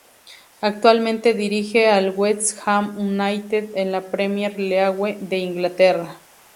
Actualmente dirige al West Ham United de la Premier League de Inglaterra.